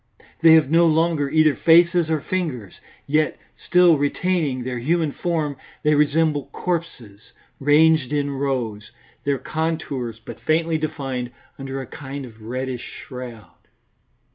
They have no longer either faces or fingers, yet, still retaining their human form, they resemble corpses ranged in rows, their contours but faintly defined under a kind of reddish shroud.